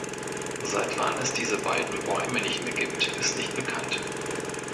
Seit wann es diese beiden Bäume nicht mehr gibt, ist nicht bekannt.